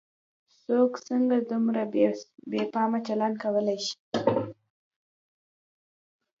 څوک څنګه دومره بې پامه چلن کولای شي.